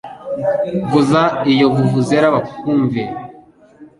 Vuza iyo vuvuzela bakumve